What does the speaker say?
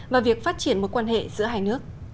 và việc phát triển mối quan hệ giữa hai nước